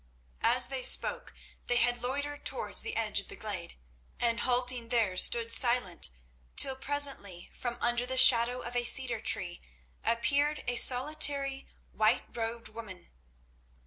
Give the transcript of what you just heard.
As they spoke they had loitered towards the edge of the glade, and halting there stood silent, till presently from under the shadow of a cedar tree appeared a solitary, white robed woman.